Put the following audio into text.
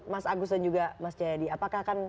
mas agus dan juga mas jayadi apakah akan